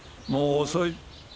もう遅い。